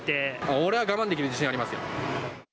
俺は我慢できる自信あります